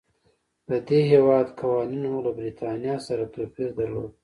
د دې هېواد قوانینو له برېټانیا سره توپیر درلود.